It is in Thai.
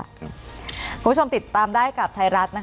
คุณผู้ชมติดตามได้กับไทยรัฐ